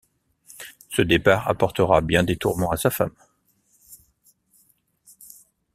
Ce départ apportera bien des tourments à sa femme...